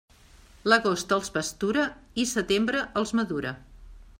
L'agost els pastura i setembre els madura.